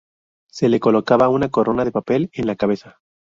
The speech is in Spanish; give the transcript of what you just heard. Se le colocaba una corona de papel en la cabeza.